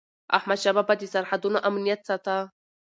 احمدشاه بابا به د سرحدونو امنیت ساته.